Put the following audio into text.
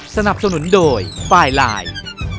สนับสนุนโดยปลายไลน์